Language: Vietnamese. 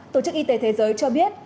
tổ chức y tế thế giới cho biết